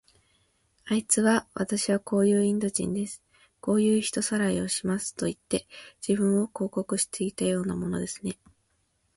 あいつは、わたしはこういうインド人です。こういう人さらいをしますといって、自分を広告していたようなものですね。